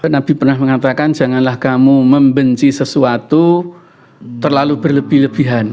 nabi pernah mengatakan janganlah kamu membenci sesuatu terlalu berlebih lebihan